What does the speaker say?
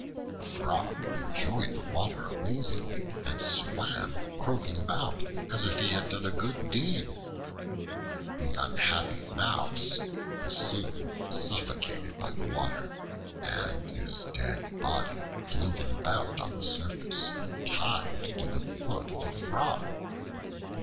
The Frog enjoyed the water amazingly, and swam croaking about, as if he had done a good deed. The unhappy Mouse was soon suffocated by the water, and his dead body floated about on the surface, tied to the foot of the Frog.